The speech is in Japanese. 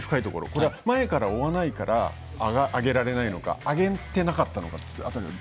これは、前から追わないから上げられないか上げてなかったのかどうですか？